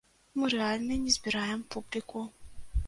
Мы рэальна не збіраем публіку.